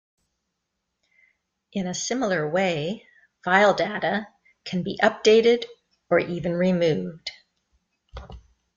In a similar way, file data can be updated or even removed.